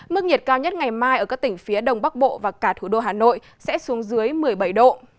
mức nhiệt cao nhất ngày mai ở các tỉnh phía đông bắc bộ và cả thủ đô hà nội sẽ xuống dưới một mươi bảy độ